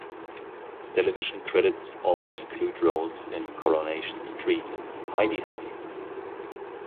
His television credits also include roles in "Coronation Street", "Hi-de-Hi!